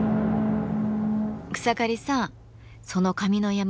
草刈さんその紙の山